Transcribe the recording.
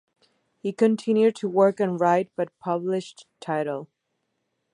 He continued to work and write, but published little.